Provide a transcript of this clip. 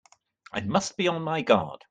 I must be on my guard!